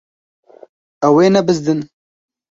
Ew ê nebizdin.